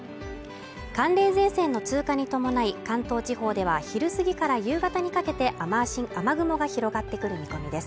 寒冷前線の通過に伴い、関東地方では昼過ぎから夕方にかけて雨雲が広がってくる見込みです。